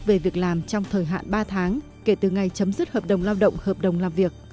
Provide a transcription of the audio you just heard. về việc làm trong thời hạn ba tháng kể từ ngày chấm dứt hợp đồng lao động hợp đồng làm việc